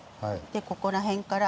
でここら辺から。